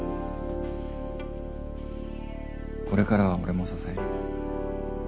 これからは俺も支える。